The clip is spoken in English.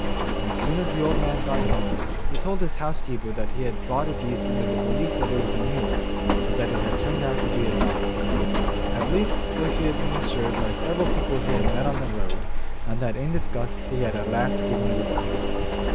As soon as the old man got home, he told his housekeeper that he had bought a beast under the belief that it was a mule, but that it had turned out to be a donkey at least, so he had been assured by several people he had met on the road, and that in disgust he had at last given it away.